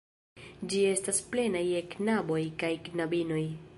Ĝi estas plena je knaboj kaj knabinoj.